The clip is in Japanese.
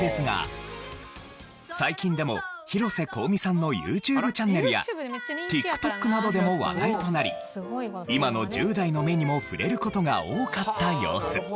最近でも広瀬香美さんのＹｏｕＴｕｂｅチャンネルやＴｉｋＴｏｋなどでも話題となり今の１０代の目にも触れる事が多かった様子。